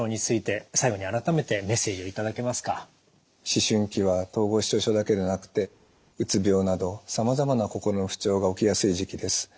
思春期は統合失調症だけでなくてうつ病などさまざまな心の不調が起きやすい時期です。